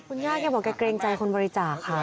คุณย่าแกบอกแกเกรงใจคนบริจาคค่ะ